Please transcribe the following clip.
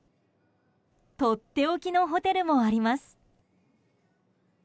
とっておきのホテルもあります。